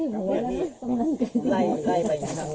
ไล่ไปอย่างนี้ครับ